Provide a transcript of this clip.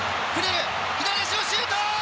左足のシュート！